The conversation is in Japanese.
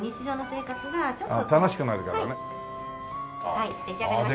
はい出来上がりました。